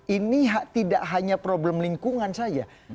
ini tidak hanya problem lingkungan saja